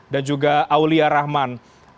dan juga aulia rahman